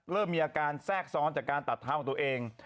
เริ่มมีอาการแทรกซ้อนจากการตัดเท้าของตัวเอง